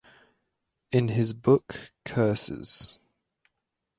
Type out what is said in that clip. In his book Curses!